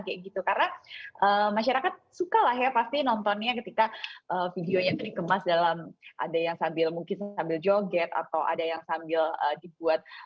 karena masyarakat suka lah ya nontonnya ketika videonya itu dikemas dalam ada yang sambil joget atau ada yang sambil dibuat